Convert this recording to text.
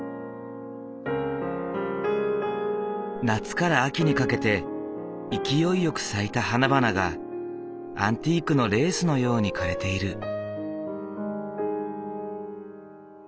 夏から秋にかけて勢いよく咲いた花々がアンティークのレースのように枯れている。